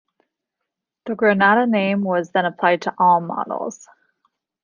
The Granada name was then applied to all models.